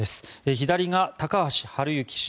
左が高橋治之氏